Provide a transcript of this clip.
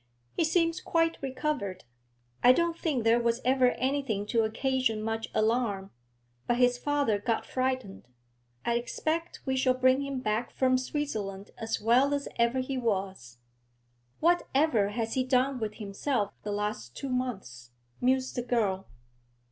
'He seems quite recovered. I don't think there was ever anything to occasion much alarm, but his father got frightened. I expect we shall bring him back from Switzerland as well as ever he was.' 'What ever has he done with himself the last two months?' mused the girl.